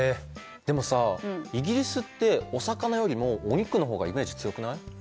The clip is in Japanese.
でもさイギリスってお魚よりもお肉の方がイメージ強くない？